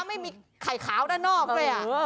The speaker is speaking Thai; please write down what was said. ไม่มีไข่ขาวด้านนอกด้วย